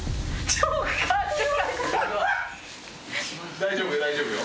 大丈夫よ大丈夫よ。